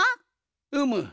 うむ。